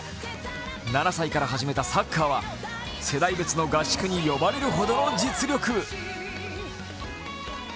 ７歳から始めたサッカーは世代別の合宿に呼ばれるほどの実力。